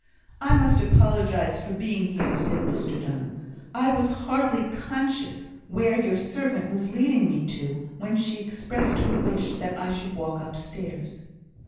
"I must apologise for being here," said Mr Donne. "I was hardly conscious where your servant was leading me to, when she expressed her wish that I should walk upstairs."